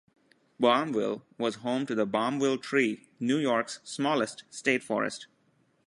Balmville was home to the Balmville Tree, New York's smallest state forest.